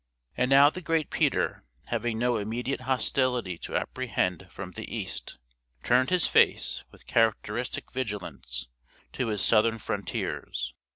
And now the great Peter, having no immediate hostility to apprehend from the east, turned his face, with characteristic vigilance, to his southern frontiers.